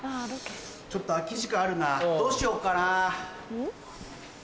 ちょっと空き時間あるなどうしようかな？